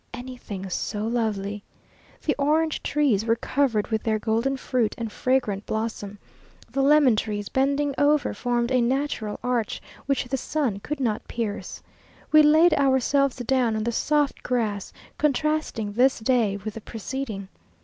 Anything so lovely! The orange trees were covered with their golden fruit and fragrant blossom; the lemon trees, bending over, formed a natural arch, which the sun could not pierce. We laid ourselves down on the soft grass, contrasting this day with the preceding.